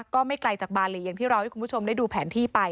ก็ไม่ไกลจากบาลีอย่างที่เราให้คุณผู้ชมได้ดูแผนที่ไป